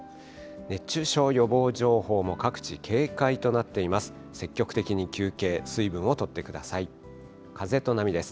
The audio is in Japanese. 熱中症予防情報も各地、警戒となっています。